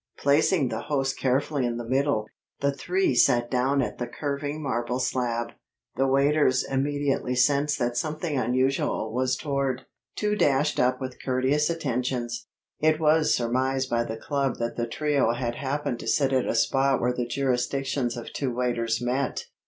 Placing the host carefully in the middle, the three sat down at the curving marble slab. The waiters immediately sensed that something unusual was toward. Two dashed up with courteous attentions. It was surmised by the club that the trio had happened to sit at a spot where the jurisdictions of two waiters met.